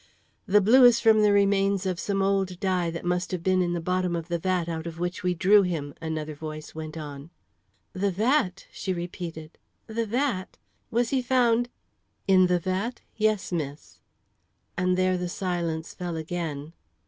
"The blue is from the remains of some old dye that must have been in the bottom of the vat out of which we drew him," another voice went on. "The vat!" she repeated. "The vat! Was he found " "In the vat? Yes, miss." And there the silence fell again.